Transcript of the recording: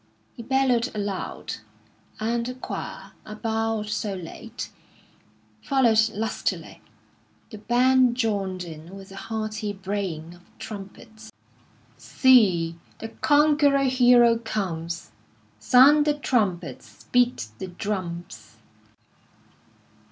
He bellowed aloud, and the choir, a bar or so late, followed lustily. The band joined in with a hearty braying of trumpets. "See, the conquering Hero comes, _Sound the trumpets; beat the drums.